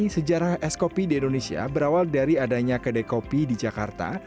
sejarah es kopi di indonesia berawal dari adanya kedai kopi di jakarta